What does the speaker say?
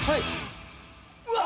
うわっ！